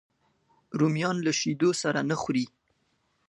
رومیان له شیدو سره نه خوري